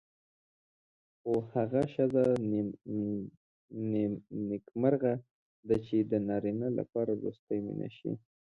خو هغه ښځه نېکمرغه ده چې د نارینه لپاره وروستۍ مینه شي.